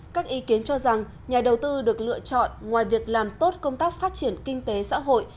các ý kiến cho rằng nhà đầu tư được lựa chọn ngoài việc làm tốt công tác phát triển kinh tế xã hội